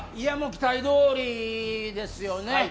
期待どおりですよね。